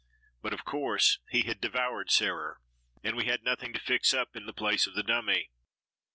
But, of course, he had devoured "Sarer," and we had nothing to fix up in the place of the dummy.